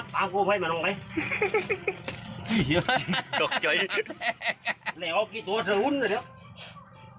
ไปรดูค่ะ